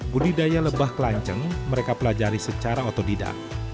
budidaya lebah kelanceng mereka pelajari secara otodidak